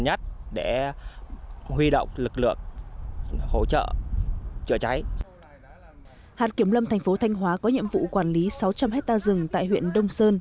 hạt kiểm lâm thành phố thanh hóa có nhiệm vụ quản lý sáu trăm linh hectare rừng tại huyện đông sơn